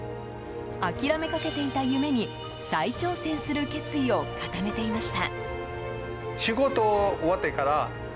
諦めかけていた夢に再挑戦する決意を固めていました。